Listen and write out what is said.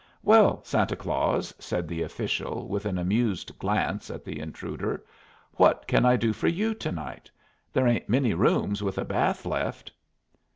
"Well, Santa Claus," said the official, with an amused glance at the intruder, "what can I do for you to night? There ain't many rooms with a bath left."